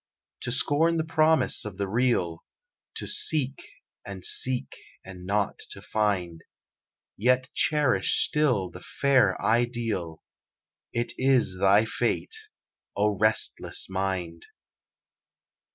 To scorn the promise of the real; To seek and seek and not to find; Yet cherish still the fair ideal It is thy fate, O restless Mind!